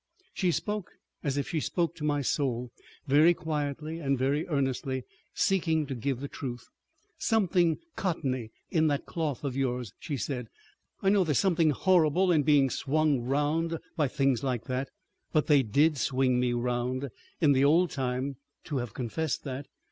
She spoke as if she spoke to my soul, very quietly and very earnestly, seeking to give the truth. "Something cottony in that cloth of yours," she said. "I know there's something horrible in being swung round by things like that, but they did swing me round. In the old time—to have confessed that!